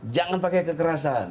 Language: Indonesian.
jangan pakai kekerasan